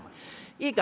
いいか？